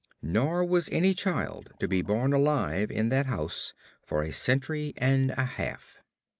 Nor was any child to be born alive in that house for a century and a half.